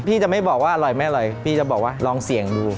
พี่จะไม่บอกว่าอร่อยไม่อร่อยพี่จะบอกว่าลองเสี่ยงดู